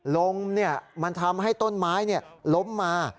ลมมันทำให้ต้นไม้ล้มมา